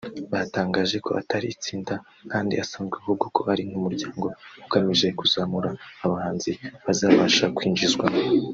batangaje ko atari itsinda nk’andi asanzwe ahubwo ko ari nk’umuryango ugamije kuzamura abahanzi bazabasha kwinjizwamo